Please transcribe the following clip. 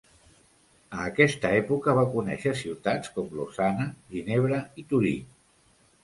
A aquesta època va conéixer ciutats com Lausana, Ginebra i Torí.